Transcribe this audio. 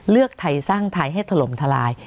เลือกไทยสร้างไทยให้ถล่มทลาย